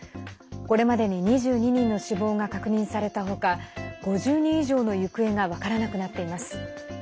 これまでに２２人の死亡が確認された他５０人以上の行方が分からなくなっています。